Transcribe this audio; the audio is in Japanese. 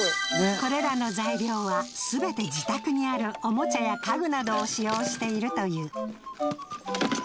これらの材料は全て自宅にあるおもちゃや家具などを使用しているという。